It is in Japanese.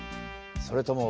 それとも。